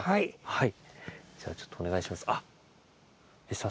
はい。